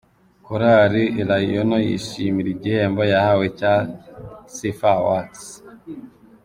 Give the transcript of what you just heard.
Korali Elayono yishimira igihembo yahawe cya Sifa Awards.